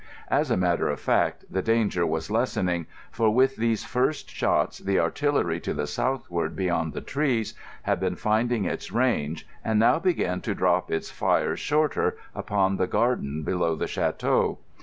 As a matter of fact the danger was lessening, for with these first shots the artillery to the southward, beyond the trees, had been finding its range and now began to drop its fire shorter, upon the garden below the château.